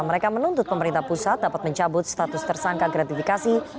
mereka menuntut pemerintah pusat dapat mencabut status tersangka gratifikasi